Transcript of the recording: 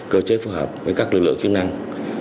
cơ chế phối hợp với các lực lượng chức năng